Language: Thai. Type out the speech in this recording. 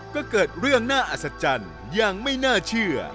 ก็เกิดเรื่องน่าอัศจรรย์ยังไม่น่าเชื่อ